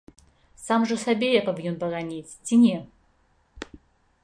Сам жа сябе я павінен бараніць ці не?!